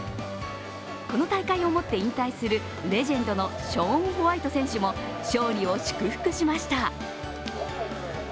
この大会をもって引退するレジェンドのショーン・ホワイト選手も勝利を祝福しました。